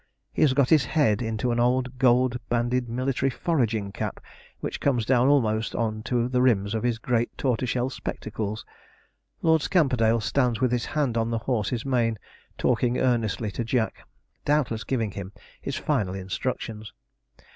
He has got his head into an old gold banded military foraging cap, which comes down almost on to the rims of his great tortoise shell spectacles. Lord Scamperdale stands with his hand on the horse's mane, talking earnestly to Jack, doubtless giving him his final instructions.